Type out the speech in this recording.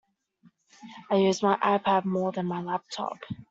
I use my iPad more than my laptop